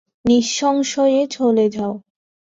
নিঃসংশয়ে চলে যাও।